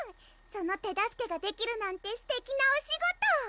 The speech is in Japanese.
その手助けができるなんてすてきなお仕事！